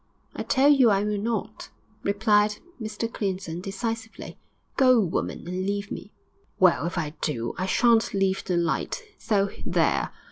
'I tell you I will not,' replied Mr Clinton, decisively. 'Go, woman, and leave me!' 'Well, if I do, I sha'n't leave the light; so there!'